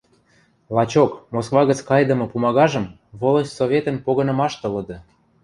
Лачок, Москва гӹц кайдымы пумагажым волость советӹн погынымашты лыды.